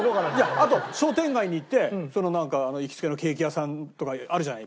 あと商店街に行ってなんか行きつけのケーキ屋さんとかあるじゃない？